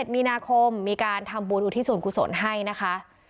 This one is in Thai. มีนาคมมีการทำบุญอุทิศส่วนกุศลให้นะคะ